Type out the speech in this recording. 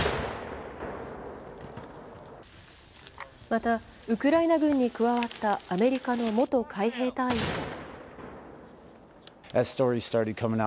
またウクライナ軍に加わったアメリカの元海兵隊員も。